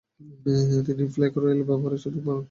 তিনি Palais Royal ব্যবহারের সুযোগ পান।